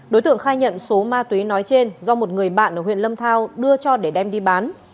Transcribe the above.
đối tượng khai nhận số ma túy nói trên do một người bạn ở huyện lâm thao đưa cho để đem đi bán